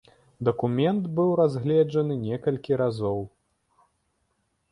Дакумент быў разгледжаны некалькі разоў.